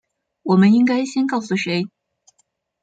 我们应该先告诉谁？